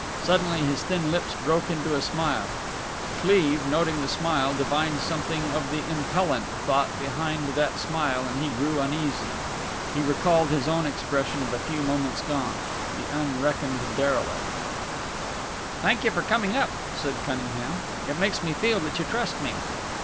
Suddenly his thin lips broke into a smile. Cleve, noting the smile, divined something of the impellent thought behind that smile, and he grew uneasy. He recalled his own expression of a few moments gone the unreckoned derelict. "Thank you for coming up," said Cunningham. "It makes me feel that you trust me."